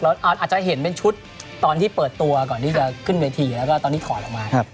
อาจจะเห็นเป็นชุดตอนที่เปิดตัวก่อนที่จะขึ้นเวทีแล้วก็ตอนนี้ถอดออกมา